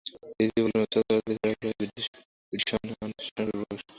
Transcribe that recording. রিজভী বলেন, উচ্চ আদালতের বিচারকেরা রিভিউ পিটিশন বিষয়ে সংশয় প্রকাশ করেছেন।